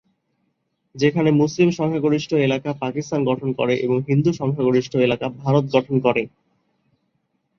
যেখানে মুসলিম সংখ্যাগরিষ্ঠ এলাকা পাকিস্তান গঠন করে এবং হিন্দু সংখ্যাগরিষ্ঠ এলাকা ভারত গঠন করে।